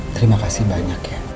terima kasih banyak ya